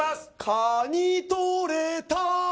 カニとれた。